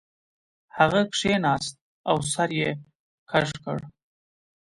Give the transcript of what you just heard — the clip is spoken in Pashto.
هغه کښیناست او سر یې کږ کړ